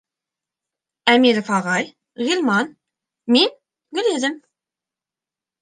— Әмиров ағай, Ғилман, мин — Гөлйөҙөм!